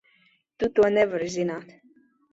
Tu to nevari zināt!